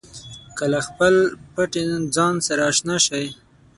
که له خپل پټ ځان سره اشنا شئ.